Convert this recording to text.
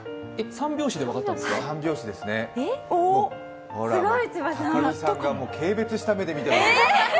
３拍子ですね、ほら、軽蔑した目で見てます。